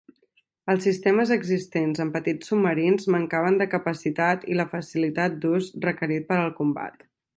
Els sistemes existents en petits submarins mancaven de capacitat i la facilitat d'ús requerit per al combat.